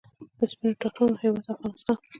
د سپینو توتانو هیواد افغانستان.